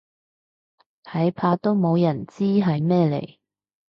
睇怕都冇人知係咩嚟